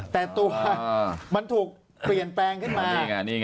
แต่ตัวมันถูกเปลี่ยนแปลงขึ้นมา